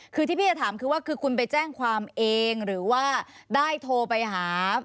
คือที่พี่จะถามคือว่าคือคุณไปแจ้งความเองหรือว่าได้โทรไปหา